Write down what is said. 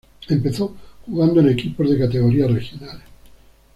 Empezó jugando en equipos de categorías regionales.